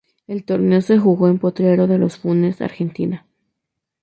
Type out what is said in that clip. El torneo se jugó en Potrero de los Funes, Argentina.